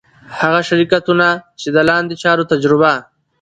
هغه شرکتونه چي د لاندي چارو تجربه